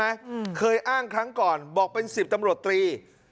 อืมเคยอ้างครั้งก่อนบอกเป็นสิบตำรวจตรี